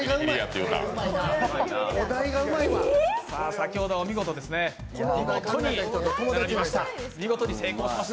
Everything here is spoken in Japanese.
先ほどはお見事ですね、見事に成功しました。